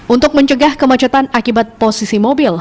untuk mencegah kemacetan akibat posisi mobil